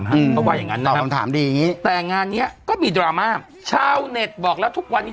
เพราะว่าอย่างงั้นเนาะแต่งานเนี้ยก็มีดราม่าชาวเน็ตบอกแล้วทุกวันนี้